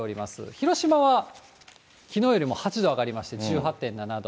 広島はきのうよりも８度上がりまして１８．７度。